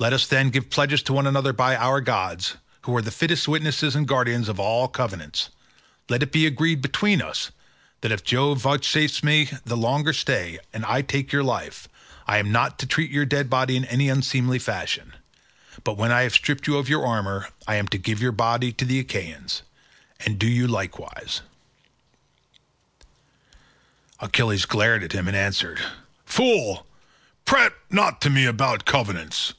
Let us, then, give pledges to one another by our gods, who are the fittest witnesses and guardians of all covenants; let it be agreed between us that if Jove vouchsafes me the longer stay and I take your life, I am not to treat your dead body in any unseemly fashion, but when I have stripped you of your armour, I am to give up your body to the Achaeans. And do you likewise." Achilles glared at him and answered, "Fool, prate not to me about covenants.